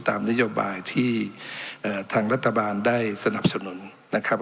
ตามนโยบายที่ทางรัฐบาลได้สนับสนุนนะครับ